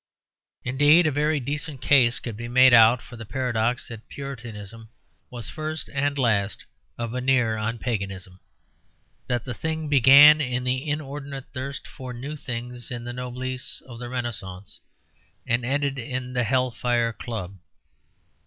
Indeed a very decent case could be made out for the paradox that Puritanism was first and last a veneer on Paganism; that the thing began in the inordinate thirst for new things in the noblesse of the Renascence and ended in the Hell Fire Club.